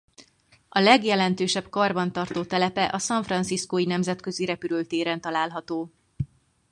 A legjelentősebb karbantartó telepe a San Franciscó-i nemzetközi repülőtéren található.